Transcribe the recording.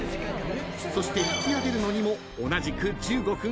［そして引きあげるのにも同じく１５分かかる］